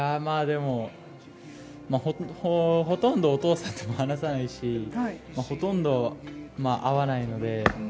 ほとんどお父さんとも話さないしほとんど会わないので。